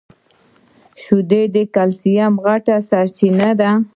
شیدې د کلیسم غټه سرچینه ده.